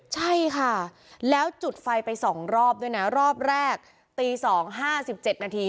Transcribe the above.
ใช่ค่ะแล้วจุดไฟไปสองรอบด้วยนะรอบแรกตีสองห้าสิบเจ็ดนาที